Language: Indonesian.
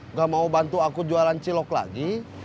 nggak mau bantu aku jualan cilok lagi